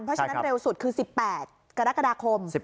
เพราะฉะนั้นเร็วสุดคือ๑๘กรกฎาคม